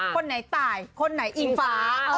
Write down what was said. คนไหนตายคนไหนอิงฟ้า